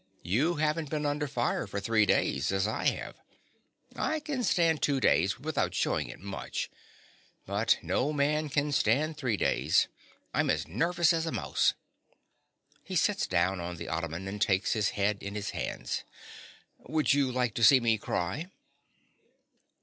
You haven't been under fire for three days as I have. I can stand two days without shewing it much; but no man can stand three days: I'm as nervous as a mouse. (He sits down on the ottoman, and takes his head in his hands.) Would you like to see me cry?